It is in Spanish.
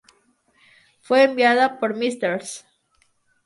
Fue enviada por Mrs.